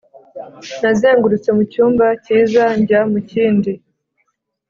nazengurutse mu cyumba cyiza njya mu kindi,